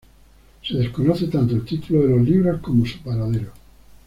Se desconoce tanto el título de los libros como su paradero.